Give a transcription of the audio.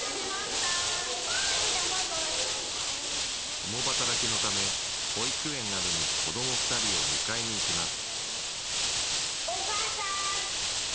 共働きのため保育園などに子ども２人を迎えに行きます。